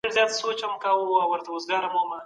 د شکر رڼا هیڅ وختمه مړوئ.